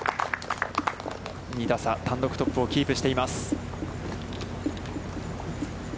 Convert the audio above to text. ２打差、単独トップをキープしています。